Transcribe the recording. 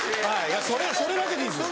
それだけでいいんですよ。